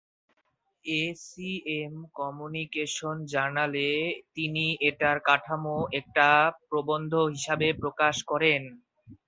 এ C M communication জার্নালে তিনি এটার কাঠামো একটা প্রবন্ধ হিসাবে প্রকাশ করেন।